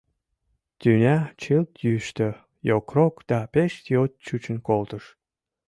Тӱня чылт йӱштӧ, йокрок да пеш йот чучын колтыш.